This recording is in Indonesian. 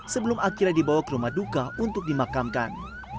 sebelum akhirnya dibawa ke rumah duka untuk dimakamkan